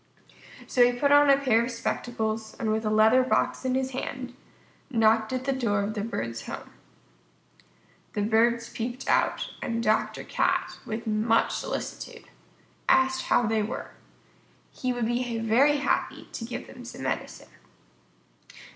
So he put on a pair of spectacles, and with a leather box in his hand, knocked at the door of the Bird's home. The Birds peeped out, and Dr. Cat, with much solicitude, asked how they were. He would be very happy to give them some medicine.